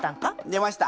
出ました。